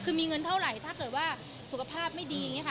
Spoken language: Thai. คือมีเงินเท่าไหร่ถ้าเกิดว่าสุขภาพไม่ดี